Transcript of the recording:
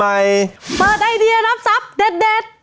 เปิดไอเดียรับทรัพย์เด็ด